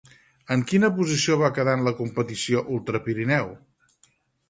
En quina posició va quedar a la competició Ultra Pirineu?